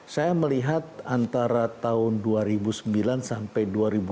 saya melihat antara tahun dua ribu sembilan sampai dua ribu dua puluh